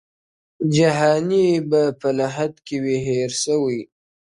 جهاني به په لحد کي وي هېر سوی-